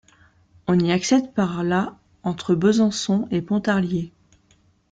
On y accède par la entre Besançon et Pontarlier.